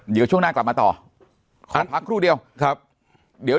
เดี๋ยวช่วงหน้ากลับมาต่อขอพักครู่เดียว